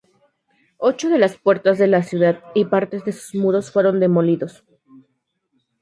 Ocho de las puertas de la ciudad y partes de sus muros fueron demolidos.